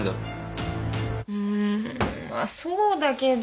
うんまっそうだけど。